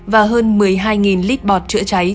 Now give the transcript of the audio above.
và hơn một mươi hai lít bọt chữa cháy